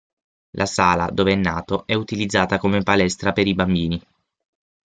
La sala dove è nato è utilizzata come palestra per i bambini.